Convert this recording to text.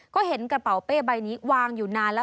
ก็เห็นกระเป๋าเป้ใบนี้วางอยู่นานแล้ว